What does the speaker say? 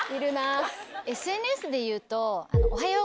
ＳＮＳでいうと。